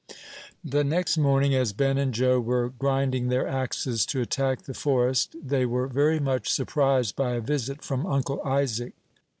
The next morning, as Ben and Joe were grinding their axes to attack the forest, they were very much surprised by a visit from Uncle Isaac.